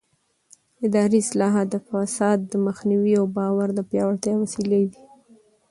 اداري اصلاحات د فساد د مخنیوي او باور د پیاوړتیا وسیله دي